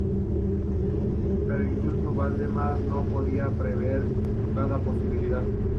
Pero incluso Valdemar no podía prever cada posibilidad.